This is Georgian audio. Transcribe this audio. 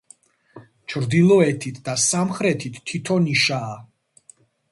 ჩრდილოეთით და სამხრეთით თითო ნიშაა.